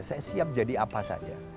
saya siap jadi apa saja